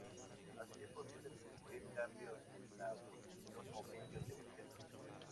Así es posible descubrir cambios en la posición o brillo de un objeto.